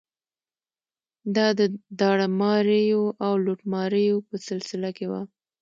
دا د داړه ماریو او لوټماریو په سلسله کې وه.